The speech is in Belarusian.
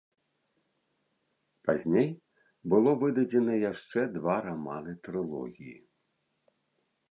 Пазней было выдадзена яшчэ два раманы трылогіі.